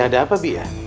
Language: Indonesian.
ya ada apa bi